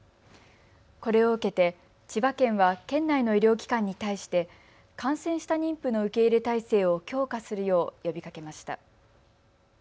これを受けて千葉県は県内の医療機関に対して感染した妊婦の受け入れ体制を強化するよう呼びかけました。